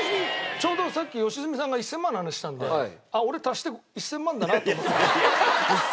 ちょうどさっき良純さんが１０００万の話したんで俺足して１０００万だなと思って。